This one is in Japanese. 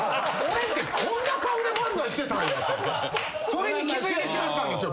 それに気付いてしまったんですよ